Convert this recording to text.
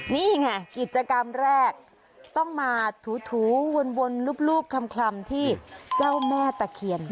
นี่ไงกิจกรรมแรกต้องมาถูวนรูปคลำที่เจ้าแม่ตะเคียน